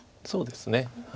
そうですね。